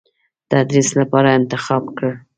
تدریس لپاره انتخاب کړل.